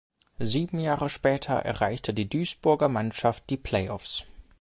Sieben Jahre später erreichte die Duisburger Mannschaft die Play-offs.